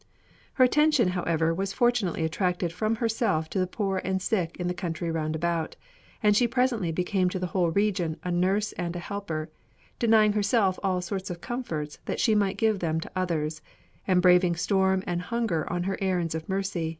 Her attention, however, was fortunately attracted from herself to the poor and sick in the country round about; and she presently became to the whole region a nurse and a helper, denying herself all sorts of comforts that she might give them to others, and braving storm and hunger on her errands of mercy.